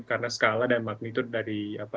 karena skala dan magnitude dari